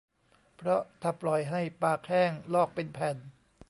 เพราะถ้าปล่อยให้ปากแห้งลอกเป็นแผ่น